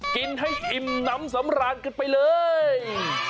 กินให้อิ่มน้ำสำราญกันไปเลย